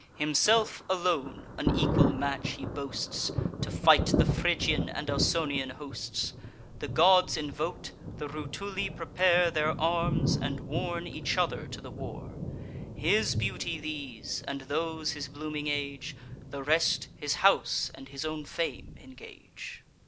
Himself alone an equal match he boasts, To fight the Phrygian and Ausonian hosts. The gods invok'd, the Rutuli prepare Their arms, and warn each other to the war. His beauty these, and those his blooming age, The rest his house and his own fame engage.